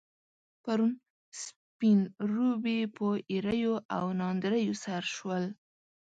پرون، سپين روبي په ايريو او ناندريو سر شول.